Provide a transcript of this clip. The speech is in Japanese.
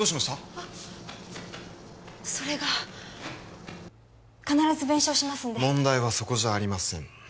あっそれが必ず弁償しますんで問題はそこじゃありません